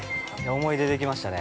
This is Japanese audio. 思い出できましたね。